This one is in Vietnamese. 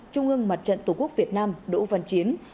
trung ương mặt trận tổ quốc việt nam đỗ văn chiến